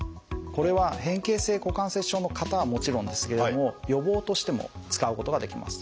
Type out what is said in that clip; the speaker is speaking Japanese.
これは変形性股関節症の方はもちろんですけれども予防としても使うことができます。